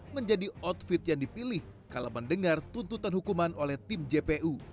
menjadi outfit yang dipilih kalau mendengar tuntutan hukuman oleh tim jpu